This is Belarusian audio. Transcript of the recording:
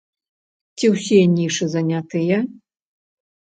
Ці ўсе нішы занятыя?